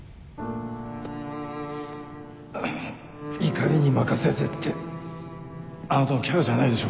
怒りに任せてってあなたのキャラじゃないでしょ